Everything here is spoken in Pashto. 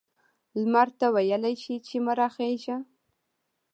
لمر ته ویلای شي چې مه را خیژه؟